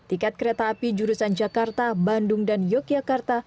tiket kereta api jurusan jakarta bandung dan yogyakarta